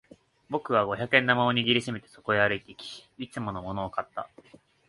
僕は五百円玉を握り締めてそこへ歩いていき、いつものものを買った。